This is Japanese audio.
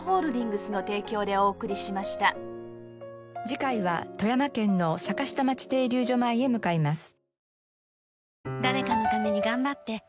次回は富山県の坂下町停留場前へ向かいます。